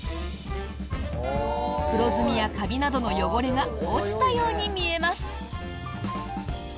黒ずみやカビなどの汚れが落ちたように見えます。